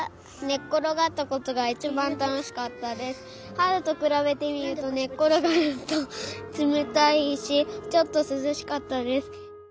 はるとくらべてみるとねっころがるとつめたいしちょっとすずしかったです。